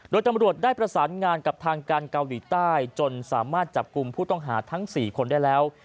โดยตำรวจได้ประสานงานกับทางการเกาหลีใต้จนสามารถจับกลุ่มผู้ต้องหาทั้ง๔คนได้แล้ว